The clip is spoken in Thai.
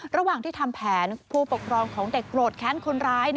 ระหว่างที่ทำแผนผู้ปกครองของเด็กโกรธแค้นคนร้าย